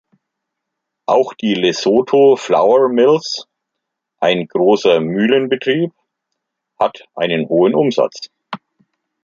Auch die "Lesotho Flour Mills", ein großer Mühlenbetrieb, hat einen hohen Umsatz.